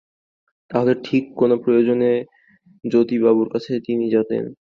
তাহলে ঠিক কোন প্রয়োজনে জ্যোতিবাবুর কাছে তিনি যেতেন?